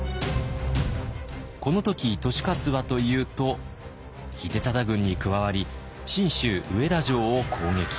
この時利勝はというと秀忠軍に加わり信州上田城を攻撃。